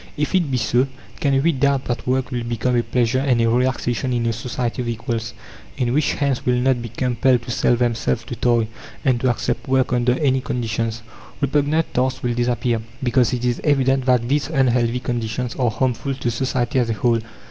If it be so, can we doubt that work will become a pleasure and a relaxation in a society of equals, in which "hands" will not be compelled to sell themselves to toil, and to accept work under any conditions? Repugnant tasks will disappear, because it is evident that these unhealthy conditions are harmful to society as a whole.